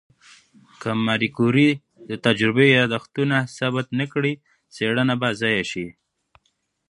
که ماري کوري د تجربې یادښتونه ثبت نه کړي، څېړنه به ضایع شي.